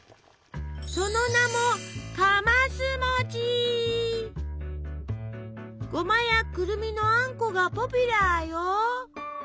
その名もごまやくるみのあんこがポピュラーよ！